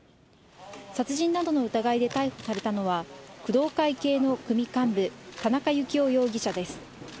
殺人などの疑いで逮捕されたのは、工藤会系の組幹部、田中幸雄容疑者です。